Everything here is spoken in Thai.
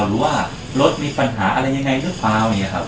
หรือว่ารถมีปัญหาหรือเปล่า